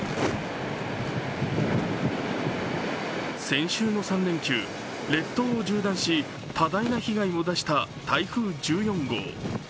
先週の３連休、列島を縦断し多大な被害を出した台風１４号。